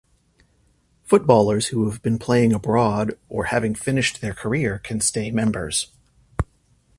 Footballers who have been playing abroad or having finished their career can stay members.